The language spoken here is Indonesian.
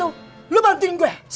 yuk lu bantuin gua mas